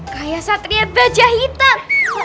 kayak satria dajah hitam